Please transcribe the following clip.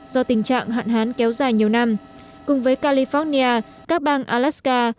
do tình trạng hạn hán kéo dài nhiều năm cùng với california các bang alaska